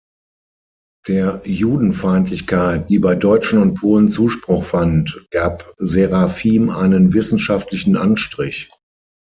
Der Judenfeindlichkeit, die bei Deutschen und Polen Zuspruch fand, gab Seraphim einen wissenschaftlichen Anstrich.